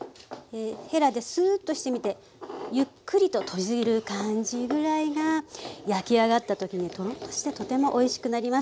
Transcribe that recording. ヘラでスーッとしてみてゆっくりと閉じる感じぐらいが焼き上がった時にトロッとしてとてもおいしくなります。